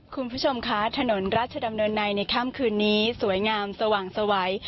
คุณผู้ชมคะถนนราชดำเนินในในค่ำคืนนี้สวยงามสว่างสวัย